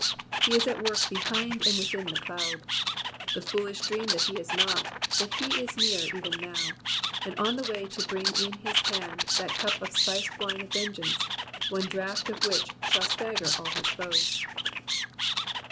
He is at work behind and within the cloud. The foolish dream that he is not, but he is near even now, and on the way to bring in his hand that cup of spiced wine of vengeance, one draught of which shall stagger all his foes.